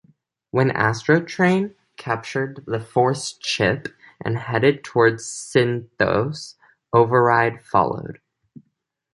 When Astrotrain captured the Force Chip and headed towards Synthos, Override followed.